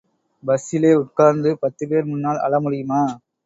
பஸ்ஸிலே உட்கார்ந்து பத்துபேர் முன்னால் அழ முடியுமா?